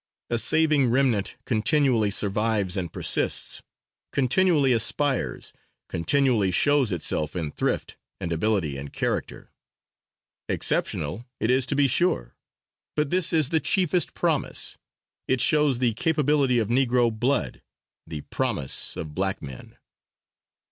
A saving remnant continually survives and persists, continually aspires, continually shows itself in thrift and ability and character. Exceptional it is to be sure, but this is its chiefest promise; it shows the capability of Negro blood, the promise of black men.